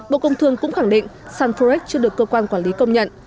bộ công thương cũng khẳng định sàn forex chưa được cơ quan quản lý công nhận